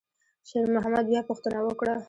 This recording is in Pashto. شېرمحمد بیا پوښتنه وکړه.